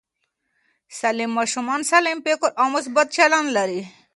سالم ماشومان سالم فکر او مثبت چلند لري.